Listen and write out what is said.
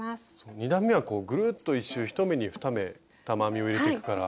２段めはぐるっと１周１目に２目玉編みを入れてくから。